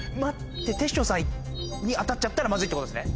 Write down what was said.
てっしょうさんに当たっちゃったらマズいってことですね